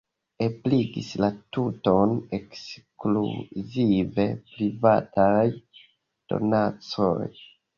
Ebligis la tuton ekskluzive privataj donacoj.